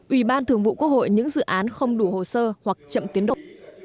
ủy ban thường vụ quốc hội những dự án không đủ hồ sơ hoặc chậm tiến độ